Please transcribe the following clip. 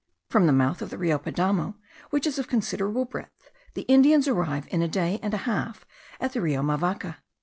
From the mouth of the Rio Padamo, which is of considerable breadth, the Indians arrive, in a day and a half, at the Rio Mavaca.